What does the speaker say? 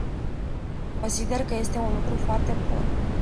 Consider că este un lucru foarte bun.